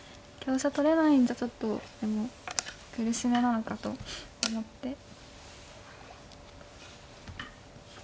香車取れないんじゃちょっとでも苦しめなのかと思って。